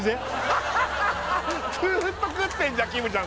ハハハずっと食ってんじゃん